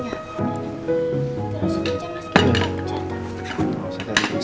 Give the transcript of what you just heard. terus ini jangan sekilipan kecatan